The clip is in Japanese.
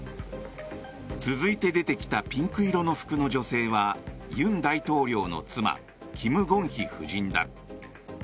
続いて出てきたピンク色の服の女性は尹大統領の妻キム・ゴンヒ夫人だ。